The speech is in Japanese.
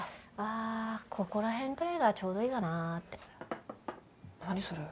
あここらへんくらいがちょうどいいかなって何それ？